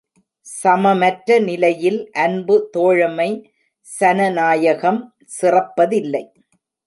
சமமற்ற நிலையில் அன்பு தோழமை, சன நாயகம் சிறப்பதில்லை.